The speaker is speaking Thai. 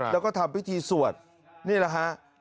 แล้วก็ทำพิธีสวดนี่แหละฮะ